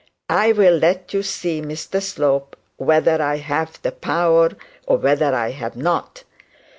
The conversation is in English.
I will let you see, Mr Slope, whether I have the power or whether I have not.